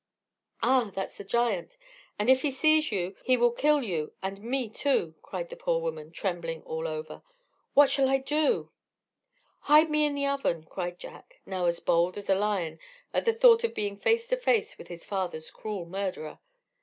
"Ah! that's the giant; and if he sees you he will kill you and me too," cried the poor woman, trembling all over. "What shall I do?" "Hide me in the oven," cried Jack, now as bold as a lion at the thought of being face to face with his father's cruel murderer.